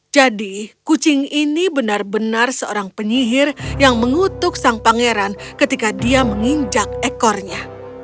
jadi kucing ini benar benar seorang penyihir yang mengutuk sang pangeran ketika dia menginjak ekornya